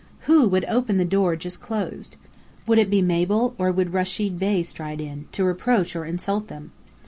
Who would open the door just closed? Would it be Mabel, or would Rechid Bey stride in, to reproach or insult them?